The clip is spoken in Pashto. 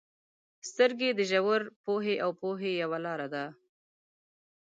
• سترګې د ژور پوهې او پوهې یوه لاره ده.